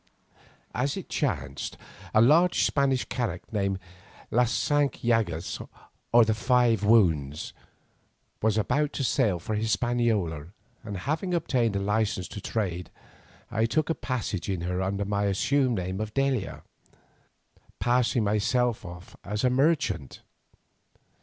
As it chanced, a large Spanish carak named "Las Cinque Llagas," or "The Five Wounds," was about to sail for Hispaniola, and having obtained a licence to trade, I took passage in her under my assumed name of d'Aila, passing myself off as a merchant.